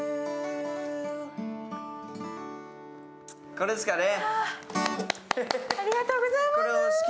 これですかね。